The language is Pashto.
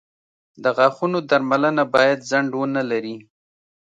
• د غاښونو درملنه باید ځنډ ونه لري.